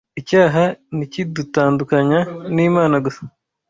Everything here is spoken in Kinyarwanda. Icyaha ntikidutandukanya n’Imana gusa